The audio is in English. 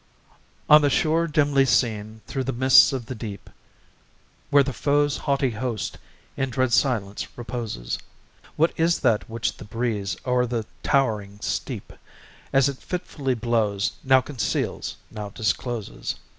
On the shore dimly seen through the mists of the deep, Where the foes haughty host in dread silence reposes, What is that which the breeze, o'er the towering steep, As it fitfully blows, now conceals, now discloses?